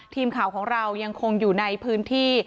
ทีมข่าวของเรายังคงอยู่ในพื้นที่